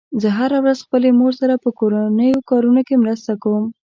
زه هره ورځ خپلې مور سره په کورنیو کارونو کې مرسته کوم